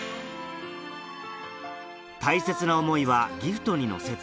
大切な思いはギフトに乗せて